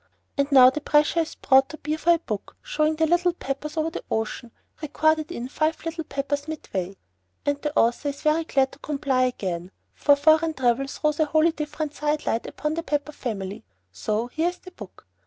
And now the pressure is brought to bear for a book showing the Little Peppers over the ocean, recorded in "Five Little Peppers Midway." And the author is very glad to comply again; for foreign travel throws a wholly different side light upon the Pepper family. So here is the book.